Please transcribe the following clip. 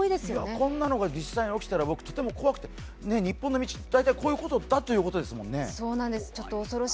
こんなのが実際に起きたらとても怖くて、日本の道、大体こういうことだということですもんね。